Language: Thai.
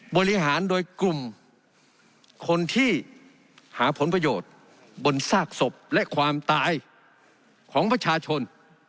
บริหารโดยกลุ่มคนที่หาผลประโยชน์บนซากศพและความตายของประชาชน